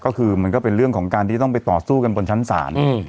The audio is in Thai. ก็คือมันก็เป็นเรื่องของการที่ต้องไปต่อสู้กันบนชั้นศาล